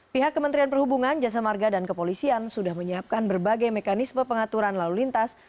pihak kementerian perhubungan jasa marga dan kepolisian sudah menyiapkan berbagai mekanisme pengaturan lalu lintas